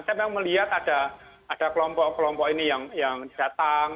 saya memang melihat ada kelompok kelompok ini yang datang